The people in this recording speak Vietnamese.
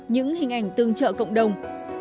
những hình ảnh tương trợ cộng đồng